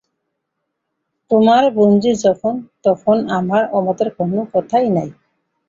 তোমার বোনঝি যখন, তখন আমার অমতের কোনো কথাই নাই।